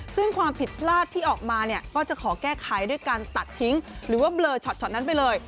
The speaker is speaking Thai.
ซึ่งความผิดพลาดที่ออกมาเนี่ยก็จะขอแก้ไขด้วยการตัดทิ้งหรือว่าเบลอช็อตนั้นไปเลย